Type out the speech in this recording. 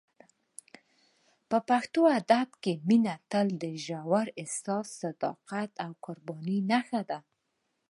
په پښتو ادب کې مینه تل د ژور احساس، صداقت او قربانۍ نښه ده.